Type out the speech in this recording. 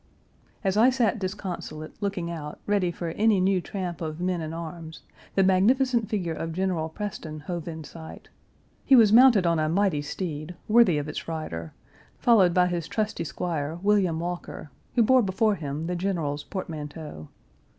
As I sat disconsolate, looking out, ready for any new tramp of men and arms, the magnificent figure of General Preston hove in sight. He was mounted on a mighty steed, worthy of its rider, followed by his trusty squire, William Walker, who bore before him the General's portmanteau.